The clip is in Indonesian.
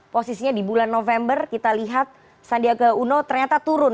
posisinya di bulan november kita lihat sandiaga uno ternyata turun